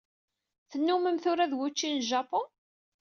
Tennumem tura d wučči n Japun?